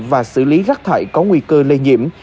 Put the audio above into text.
và xử lý rác thải có nguy cơ lây nhiễm